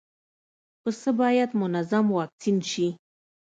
پسه باید منظم واکسین شي.